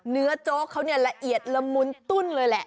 เนื้อโจ๊กเขาละเอียดละมุนตุ้นเลยแหละ